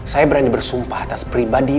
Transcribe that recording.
saya berani bersumpah atas pribadi